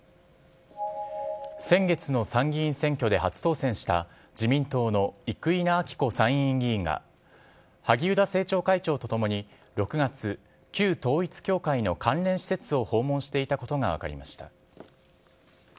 先月の参議院選挙で初当選した自民党の生稲晃子参院議員が萩生田政調会長とともに６月旧統一教会の関連施設を訪問していたことが分かりました。